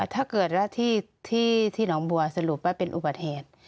ถ้าเกิดว่าที่หนองบัวสรุปว่าเป็นอุบัติเหตุ